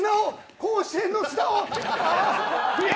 甲子園の砂を！